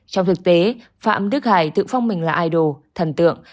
trong thực tế phạm đức hải tự phong mình là idol thần tượng